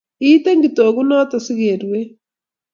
Iiten kitoku noto sikeruen